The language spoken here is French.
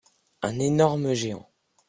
Un énorme géant.